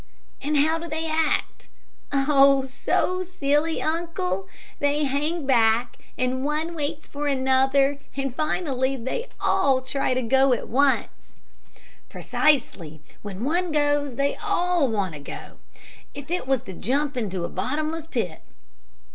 "And how do they act?" "Oh, so silly, uncle. They hang back, and one waits for another; and, finally, they all try to go at once." "Precisely; when one goes they all want to go, if it was to jump into a bottomless pit.